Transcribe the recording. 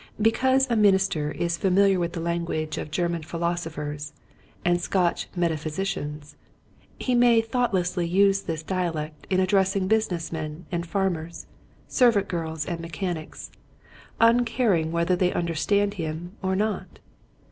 Because a minister is familiar with the language of 102 Quiet Hints to Growing Preachers. German philosophers and Scotch meta physicians he may thoughtlessly use this dialect in addressing business men and farmers, servant girls and mechanics, uncaring whether they understand him or not.